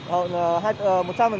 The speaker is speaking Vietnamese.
hậu quả đã tắt tử tàn bộ